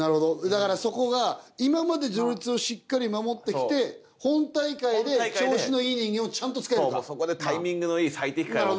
だからそこが今まで序列をしっかり守ってきて本大会で調子のいい人間をちゃんと使えるか。